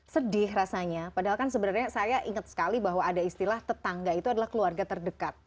sedih rasanya padahal kan sebenarnya saya ingat sekali bahwa ada istilah tetangga itu adalah keluarga terdekat